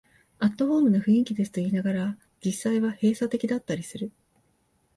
アットホームな雰囲気ですと言いながら、実際は閉鎖的だったりする